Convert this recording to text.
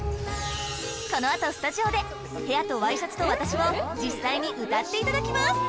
このあとスタジオで「部屋とＹシャツと私」を実際に歌っていただきます